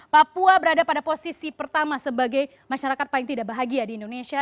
papua berada pada posisi pertama sebagai masyarakat paling tidak bahagia di indonesia